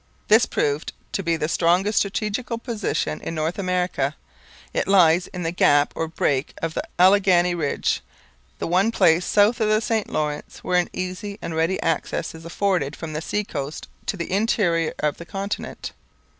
This proved to be the strongest strategical position in North America. It lies in the gap or break of the Alleghany ridge, the one place south of the St Lawrence where an easy and ready access is afforded from the sea coast to the interior of the continent.